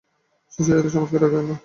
শিশুরা এত চমৎকার আঁকে না।